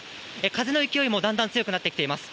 風の勢いもだんだん強くなってきています。